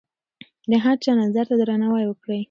د هر چا نظر ته درناوی وکړئ.